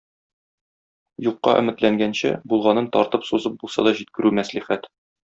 Юкка өметләнгәнче булганын тартып-сузып булса да җиткерү мәслихәт.